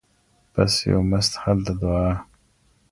بس یو مست حل د دعا